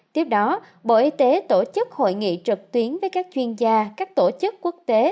tiếp đó bộ y tế tổ chức hội nghị trực tuyến với các chuyên gia các tổ chức quốc tế